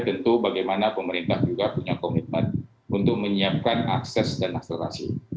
tentu bagaimana pemerintah juga punya komitmen untuk menyiapkan akses dan akselerasi